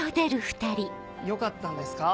よかったんですか？